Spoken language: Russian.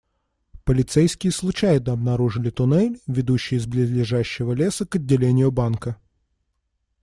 Полицейские случайно обнаружили туннель, ведущий из близлежащего леса к отделению банка.